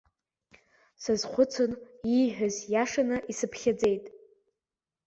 Сазхәыцын, ииҳәаз иашаны исыԥхьаӡеит.